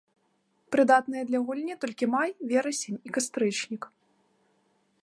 Прыдатныя для гульні толькі май, верасень і кастрычнік.